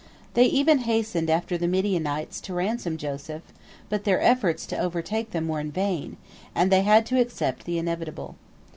They even hastened after the Midianites to ransom Joseph, but their efforts to overtake them were vain, and they had to accept the inevitable.